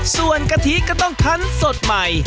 ส่วนกะทิก็ต้องคันสดใหม่